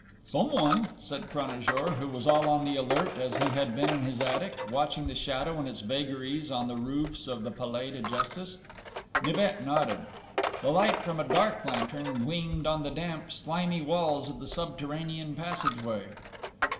"Someone!" said Cranajour, who was all on the alert, as he had been in his attic, watching the shadow and its vagaries on the roofs of the Palais de Justice. Nibet nodded. The light from a dark lantern gleamed on the damp, slimy walls of the subterranean passageway.